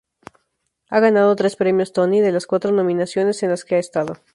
Ha ganado tres Premios Tony, de las cuatro nominaciones en las que ha estado.